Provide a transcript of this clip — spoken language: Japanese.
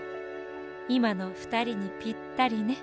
いまのふたりにぴったりね。